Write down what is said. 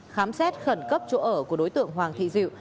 khám xét khẩn cấp chỗ ở của đối tượng hoàng thị diệu